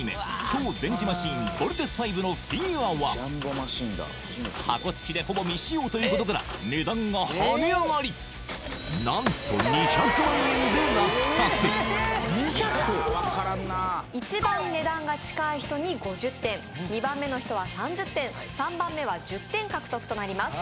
「超電磁マシーンボルテスⅤ」のフィギュアは箱付きでほぼ未使用ということから値段が跳ね上がり何と２００万円で落札一番値段が近い人に５０点２番目の人は３０点３番目は１０点獲得となります